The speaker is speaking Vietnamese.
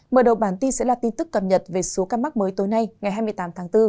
mở đầu bản tin sẽ là tin tức cập nhật về số ca mắc mới tối nay ngày hai mươi tám tháng bốn